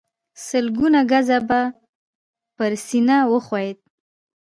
سلګونه ګزه به پر سينه وښويېد.